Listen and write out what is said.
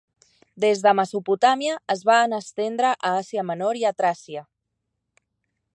Des de Mesopotàmia es van estendre a Àsia Menor i a Tràcia.